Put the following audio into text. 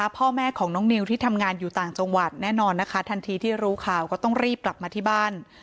พ่อแม่ของน้องนิวที่ทำงานอยู่ต่างจังหวัดแน่นอนนะคะทันทีที่รู้ข่าวก็ต้องรีบกลับมาที่บ้าน